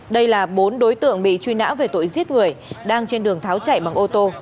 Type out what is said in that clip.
đây là bốn đối tượng bị truy nã về tội giết người đang trên đường tháo chạy bằng ô tô